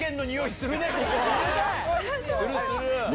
するする。